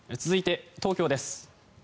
続いて、東京です。